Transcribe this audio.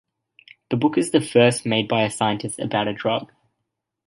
This book is the first made by a scientist about a drug.